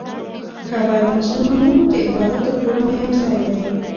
کعبه د مسلمانانو د عبادت تر ټولو مهم ځای دی.